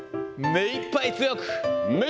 めいっぱい強く。